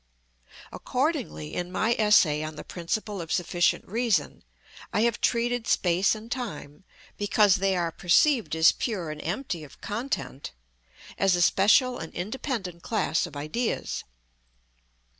Accordingly, in my essay on the principle of sufficient reason, I have treated space and time, because they are perceived as pure and empty of content, as a special and independent class of ideas.